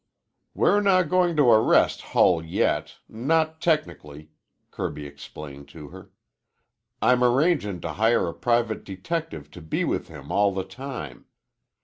"We're not goin' to arrest Hull yet not technically," Kirby explained to her. "I'm arrangin' to hire a private detective to be with him all the time.